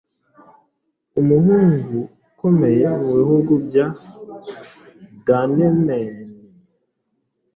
umuhungu ukomeye mubihugu bya Danemen